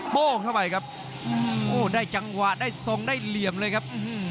โป้งเข้าไปครับโอ้ได้จังหวะได้ทรงได้เหลี่ยมเลยครับ